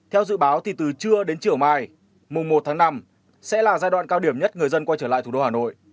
theo dự báo thì từ trưa đến chiều mai mùa một tháng năm sẽ là giai đoạn cao điểm nhất người dân quay trở lại thủ đô hà nội